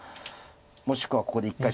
もしくはここで一回